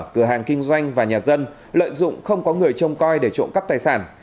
cửa hàng kinh doanh và nhà dân lợi dụng không có người trông coi để trộm cắp tài sản